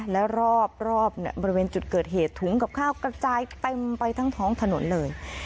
และรอบบริเวณจุดเกิดเหตุถุงกับข้าวกระจายเต็มไปทั้งท้องถนนเลย